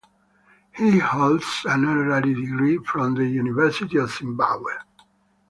He holds an Honorary degree from the University of Zimbabwe.